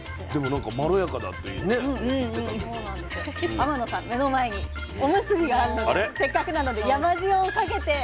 天野さん目の前におむすびがあるのでせっかくなので山塩をかけて召し上がって下さい。